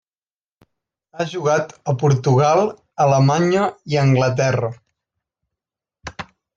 Ha jugat a Portugal, Alemanya i Anglaterra.